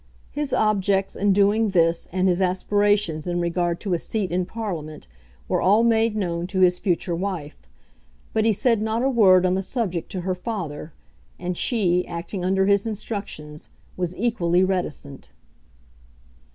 His objects in doing this and his aspirations in regard to a seat in Parliament were all made known to his future wife, but he said not a word on the subject to her father; and she, acting under his instructions, was equally reticent.